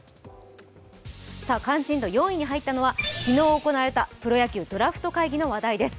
関心度４位に入ったのは昨日行われたプロ野球ドラフト会議の話題です。